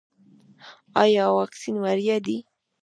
ایا واکسین وړیا دی؟